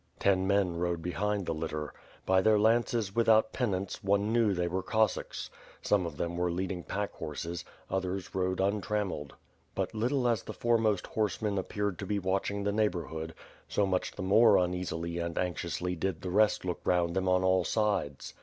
Ten men rode behind the litter. By their lances without pennants, one knew they were Cossacks. Some of them were leading pack horses, others rode untrammeled. But little as the foremost horsemen appeared to be watch ing the neighborhood, so much the more uneasily and anxi ously did the rest look round them on all sides.